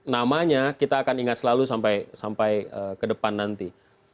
namanya kita akan ingat selalu sampai ke depan nanti